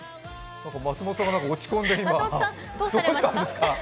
松本さんが落ち込んで、今どうしたんですか？